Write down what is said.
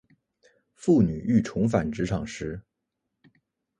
妇女欲重返职场时